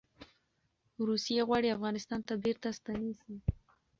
روسې غواړي افغانستان ته بیرته ستنې شي.